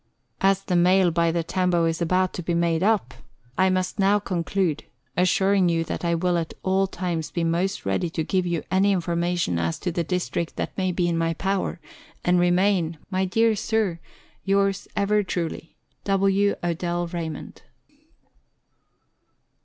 As the mail by the Tambo is about to be made up, I must 134 Letters from Victorian Pioneers. now conclude, assuring you that 1 will at all times be most ready to give you any information as to the district that may be in my power, and remain, My dear Sir, Yours ever truly, W. ODELL RAYMOND.